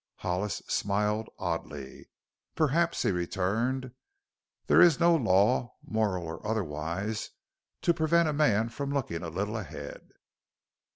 Hollis smiled oddly. "Perhaps," he returned; "there is no law, moral or otherwise, to prevent a man from looking a little ahead."